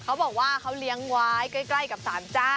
เขาบอกว่าเขาเลี้ยงไว้ใกล้กับสารเจ้า